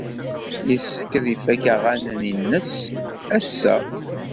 Yessefk ad ifak aɣanen-nnes ass-a.